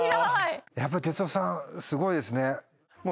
やっぱ哲夫さんすごいですね。